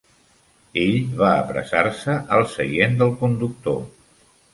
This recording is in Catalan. Ell va apressar-se al seient del conductor.